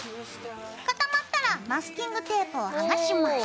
固まったらマスキングテープを剥がします。